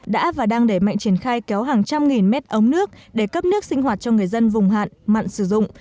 đã và đang để mạnh triển khai kéo hàng trăm nghìn mét ống nước để cấp nước sinh hoạt cho người dân vùng hạn mặn sử dụng